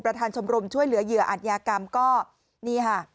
ชมรมช่วยเหลือเหยื่ออาจยากรรมก็นี่ค่ะ